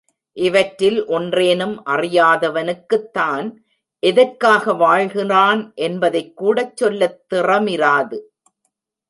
இவற்றில் ஒன்றேனும் அறியாதவனுக்குத் தான் எதற்காக வாழ்கிறான் என்பதைக்கூடச் சொல்ல திறமிராது.